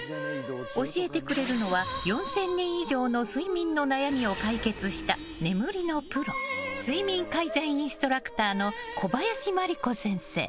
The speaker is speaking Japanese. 教えてくれるのは４０００人以上の睡眠の悩みを解決した眠りのプロ睡眠改善インストラクターの小林麻利子先生。